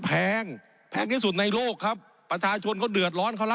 ผมอภิปรายเรื่องการขยายสมภาษณ์รถไฟฟ้าสายสีเขียวนะครับ